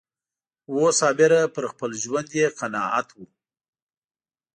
وو صابره پر خپل ژوند یې قناعت و